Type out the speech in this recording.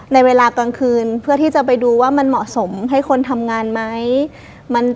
ในเวลากลางคืนเพื่อที่จะไปดูว่ามันเหมาะสมให้คนทำงานไหม